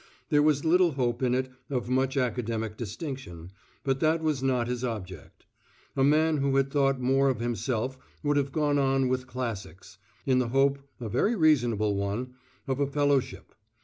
There was little hope in it of much academic distinction but that was not his object. A man who had thought more of himself would have gone on with Classics, in the hope (a very reasonable one) of a Fellowship.